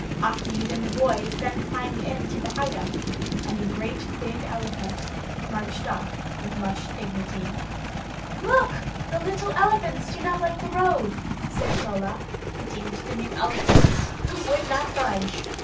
Achmed and the boys then climbed into the howdah, and the great big elephant marched off with much dignity. "Look, the little elephants do not like the road," said Chola, pointing to the new elephants, who would not budge.